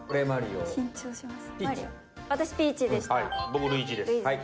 僕ルイージです。